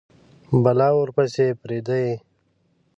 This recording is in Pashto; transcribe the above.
بلا ورپسي پریده یﺉ